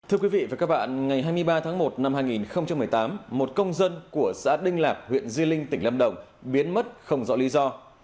thưa quý vị và các bạn ngày hai mươi ba tháng một năm hai nghìn một mươi tám một công dân của xã đinh lạc huyện di linh tỉnh lâm đồng biến mất không rõ lý do